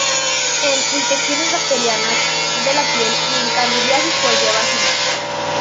En infecciones bacterianas de la piel; y en candidiasis por vía vaginal.